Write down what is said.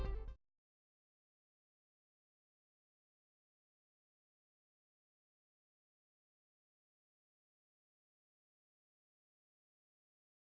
jenderal negara pada tahun dua ribu dua puluh